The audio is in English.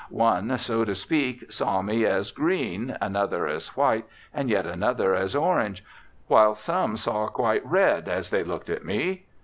One, so to speak, saw me as green, another as white, and yet another as orange, while some saw quite red as they looked at me.